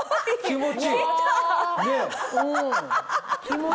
気持ちいい！